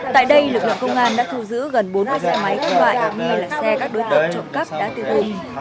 tại đây lực lượng công an đã thu giữ gần bốn chiếc xe máy loại như là xe các đối tượng trộm cắp đã tiêu hùng